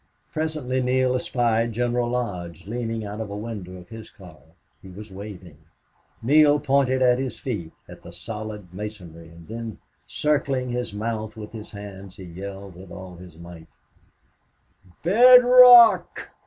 Presently Neale espied General Lodge leaning out of a window of his car. He was waving. Neale pointed down at his feet, at the solid masonry; and then, circling his mouth with his hands, he yelled with all his might: "Bed rock!"